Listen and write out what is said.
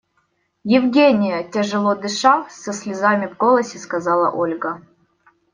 – Евгения! – тяжело дыша, со слезами в голосе сказала Ольга.